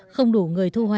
không đủ người thu